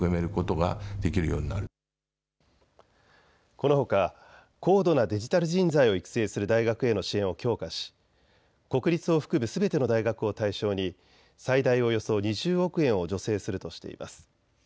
このほか高度なデジタル人材を育成する大学への支援を強化し国立を含むすべての大学を対象に最大およそ２０億円を助成するとしています。